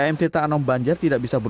mau ngapain pak